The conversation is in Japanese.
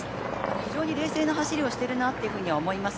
非常に冷静な走りをしているなと思います。